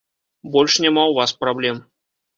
Больш няма ў вас праблем!